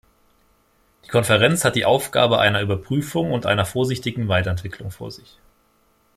Die Konferenz hat die Aufgabe einer Überprüfung und einer vorsichtigen Weiterentwicklung vor sich.